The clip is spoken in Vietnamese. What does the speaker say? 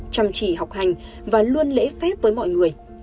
chăm chỉ học hành và luôn lễ phép với mọi người